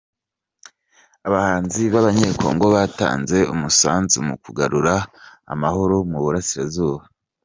Abahanzi b’Abanyekongo batanze umusanzu mu kugarura amahoro mu Burasirazuba